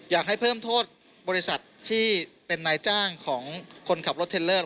อยากให้เพิ่มโทษบริษัทที่เป็นนายจ้างของคนขับรถเทลเลอร์